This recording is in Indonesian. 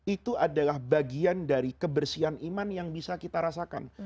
itu adalah bagian dari kebersihan iman yang bisa kita rasakan